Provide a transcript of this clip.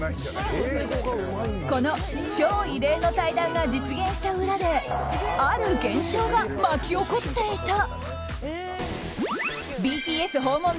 この超異例の対談が実現した裏である現象が巻き起こっていた。